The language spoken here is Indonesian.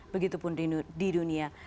begitu pun di dunia